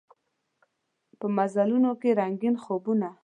په مزلونوکې رنګین خوبونه